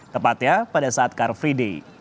tepatnya pada saat car free day